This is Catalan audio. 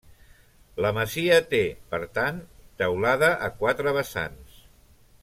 La masia té, per tant, teulada a quatre vessants.